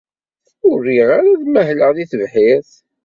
Ur riɣ ara ad mahleɣ deg tebḥirt.